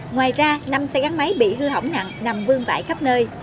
ngoài ra năm xe gắn máy bị hư hỏng nặng nằm vương tại khắp nơi